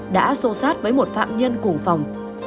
đã xô xát với một phạm nhân cùng phòng